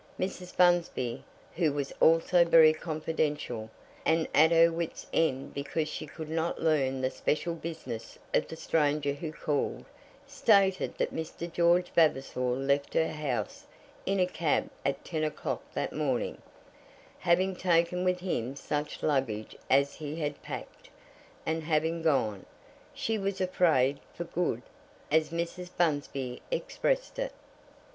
Mrs. Bunsby, who was also very confidential, and at her wits' end because she could not learn the special business of the stranger who called, stated that Mr. George Vavasor left her house in a cab at ten o'clock that morning, having taken with him such luggage as he had packed, and having gone, "she was afraid, for good," as Mrs. Bunsby expressed it.